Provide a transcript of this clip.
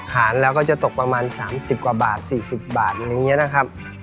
หารแล้วก็จะตกประมาณสามสิบกว่าบาทสี่สิบบาทอย่างนี้นะครับ